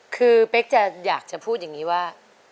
คือเป๊กจะอยากจะพูดอย่างนี้ว่า